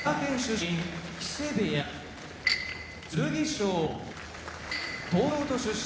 身木瀬部屋剣翔東京都出身